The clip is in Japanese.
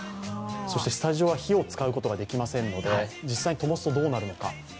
そして、スタジオは火を使うことができませんので、実際にともすとどうなるのか。